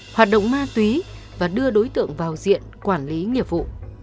hoạt động ma túy và đưa đối tượng vào diện quản lý nghiệp vụ